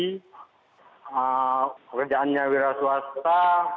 ini kerjaannya wira swasta